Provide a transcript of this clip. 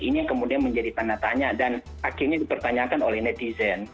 ini yang kemudian menjadi tanda tanya dan akhirnya dipertanyakan oleh netizen